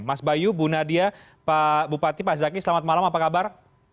mas bayu bu nadia pak bupati pak zaki selamat malam apa kabar